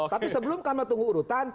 tapi sebelum kami tunggu urutan